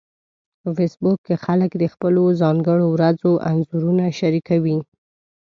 په فېسبوک کې خلک د خپلو ځانګړو ورځو انځورونه شریکوي